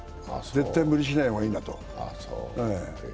絶対無理しない方がいいなと。